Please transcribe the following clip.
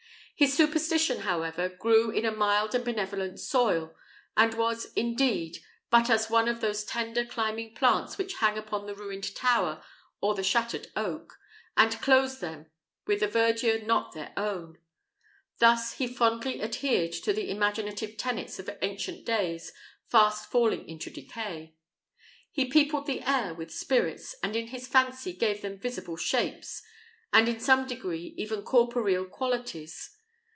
His superstition, however, grew in a mild and benevolent soil, and was, indeed, but as one of those tender climbing plants which hang upon the ruined tower or the shattered oak, and clothe them with a verdure not their own: thus he fondly adhered to the imaginative tenets of ancient days fast falling into decay. He peopled the air with spirits, and in his fancy gave them visible shapes, and in some degree even corporeal qualities.